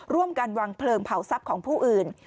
ร่วมกันวางเพลิงเผาทรัพย์ของผู้อื่น